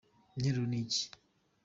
interuro niki